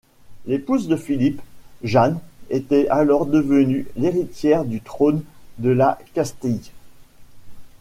L'épouse de Philippe, Jeanne, était alors devenue l'héritière du trône de la Castille.